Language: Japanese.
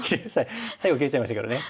最後切れちゃいましたけどね。